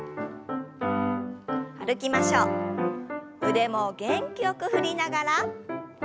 腕も元気よく振りながら。